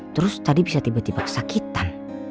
terus tadi bisa tiba tiba kesakitan